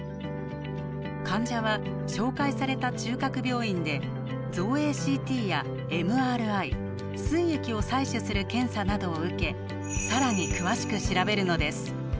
患者は紹介された中核病院で造影ＣＴやＭＲＩすい液を採取する検査などを受け更に詳しく調べるのです。